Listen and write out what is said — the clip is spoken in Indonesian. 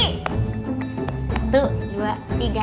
satu dua tiga